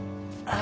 あ！